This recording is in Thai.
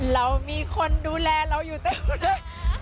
เรามีคนดูแลเราอยู่ตรงนั้น